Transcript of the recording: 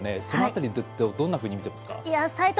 その辺り、どんなふうに見ていますか？